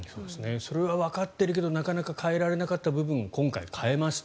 それはわかっているけどなかなか変えられなかった部分を今回変えました。